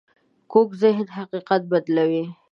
کوږ ذهن حقیقت بدلوي